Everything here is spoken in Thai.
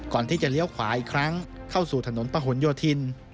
ก่อนที่จะเลี้ยวขวาอีกครั้งเข้าสู่ถนนประหลโยธิน